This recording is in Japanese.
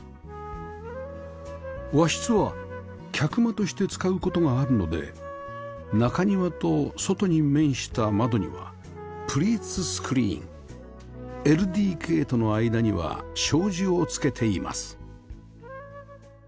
和室は客間として使う事があるので中庭と外に面した窓にはプリーツスクリーン ＬＤＫ との間には障子を付けています